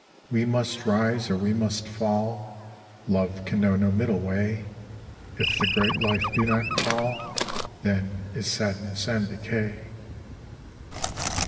We must rise or we must fall : Love can know no middle way : If the great life do not call, Then is sadness and decay.